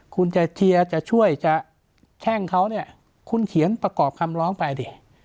คุณจะเชียร์จะช่วยจะแข้งเขาเนี่ยคุณเขียนประกอบคำร้องไปดิ